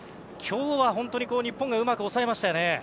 今日は本当に日本がうまく抑えましたね。